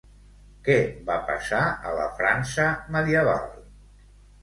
Què va passar a la França medieval?